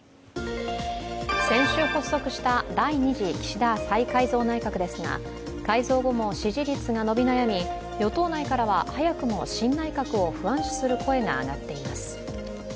先週、発足した第２次岸田再改造内閣ですが改造後も支持率が伸び悩み、与党内からは早くも新内閣を不安視する声が上がっています